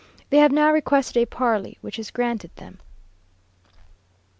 They have now requested a parley, which is granted them.